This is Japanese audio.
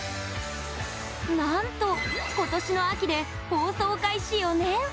なんと、ことしの秋で放送開始４年。